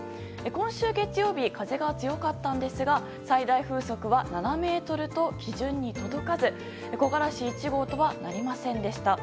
今週月曜日風が強かったんですが最大風速は７メートルと基準に届かず木枯らし１号とはなりませんでした。